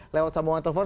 lewat sambungan telepon